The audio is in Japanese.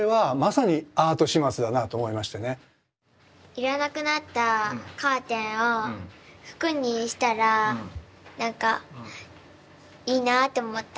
要らなくなったカーテンを服にしたら何かいいなあって思った。